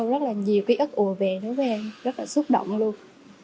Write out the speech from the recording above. rất là nhiều ký ức ùa về đối với em rất là xúc động luôn